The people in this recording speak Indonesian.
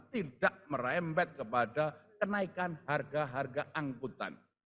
tidak merembet kepada kenaikan harga harga angkutan